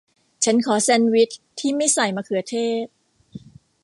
ฉันขอแซนด์วิชที่ไม่ใส่มะเขือเทศ